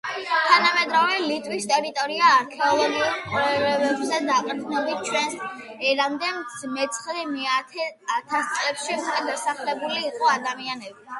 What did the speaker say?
თანამედროვე ლიტვის ტერიტორია, არქეოლოგიურ კვლევებზე დაყრდნობით, ჩვენს ერამდე მეცხრე-მეათე ათასწლეულებში უკვე დასახლებული იყო ადამიანებით.